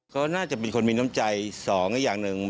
ก็น่าจะเป็นคนมีน้ำใจสองอย่างหนึ่ง